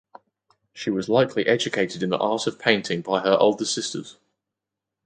She was likely educated in the art of painting by her older sisters.